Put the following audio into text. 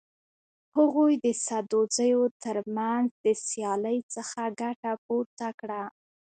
هغوی د سدوزیو تر منځ د سیالۍ څخه ګټه پورته کړه.